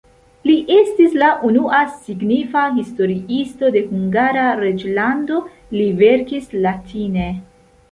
Li estis la unua signifa historiisto de Hungara reĝlando, li verkis latine.